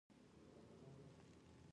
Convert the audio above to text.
جبار خان: پر تا دې د خدای غضب وشي.